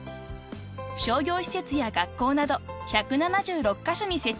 ［商業施設や学校など１７６カ所に設置されています］